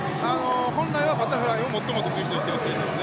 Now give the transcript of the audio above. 本来はバタフライを最も得意としている選手です。